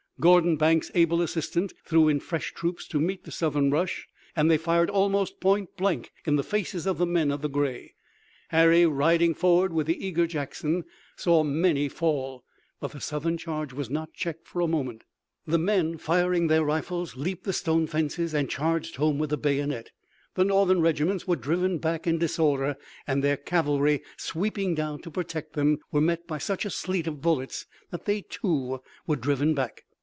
Gordon, Banks' able assistant, threw in fresh troops to meet the Southern rush, and they fired almost point blank in the faces of the men in gray. Harry, riding forward with the eager Jackson, saw many fall, but the Southern charge was not checked for a moment. The men, firing their rifles, leaped the stone fences and charged home with the bayonet. The Northern regiments were driven back in disorder and their cavalry sweeping down to protect them, were met by such a sleet of bullets that they, too, were driven back.